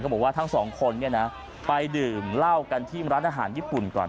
บอกว่าทั้งสองคนเนี่ยนะไปดื่มเหล้ากันที่ร้านอาหารญี่ปุ่นก่อน